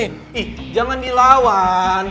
ih jangan dilawan